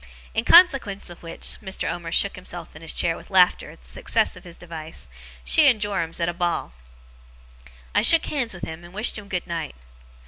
In consequence of which,' Mr. Omer shook himself and his chair with laughter at the success of his device, 'she and Joram's at a ball.' I shook hands with him, and wished him good night.